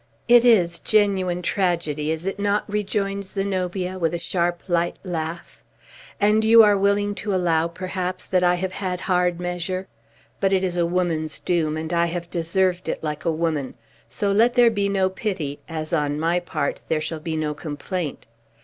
"It is genuine tragedy, is it not?" rejoined Zenobia, with a sharp, light laugh. "And you are willing to allow, perhaps, that I have had hard measure. But it is a woman's doom, and I have deserved it like a woman; so let there be no pity, as, on my part, there shall be no complaint.